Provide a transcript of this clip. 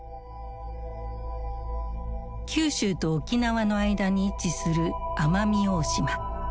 九州と沖縄の間に位置する奄美大島。